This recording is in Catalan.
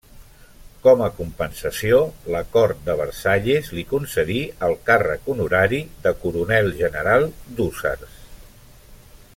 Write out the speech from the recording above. Com a compensació, la cort de Versalles li concedí el càrrec honorari de coronel-general d'hússars.